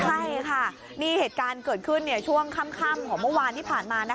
ใช่ค่ะนี่เหตุการณ์เกิดขึ้นช่วงค่ำของเมื่อวานที่ผ่านมา